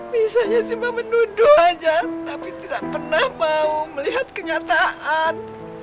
bisanya cuma menuduh aja tapi tidak pernah mau melihat kenyataan